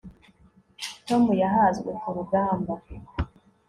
Tom yahazwe kurugamba